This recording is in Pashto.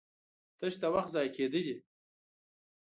تش د وخت ضايع کېده دي